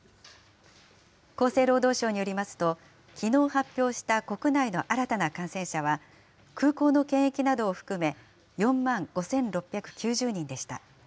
厚生労働省によりますと、きのう発表した国内の新たな感染者は、空港の検疫などを含め、４万５６９０人でした。